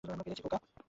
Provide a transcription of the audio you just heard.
আমরা পেরেছি, খোকা।